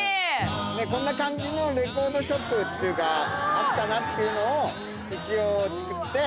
こんな感じのレコードショップっていうかあったなっていうのを一応作って。